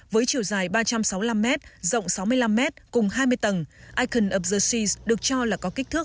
với chiều dài ba trăm sáu mươi năm m rộng sáu mươi năm m cùng hai mươi tầng icon of the seas được cho là có kích thước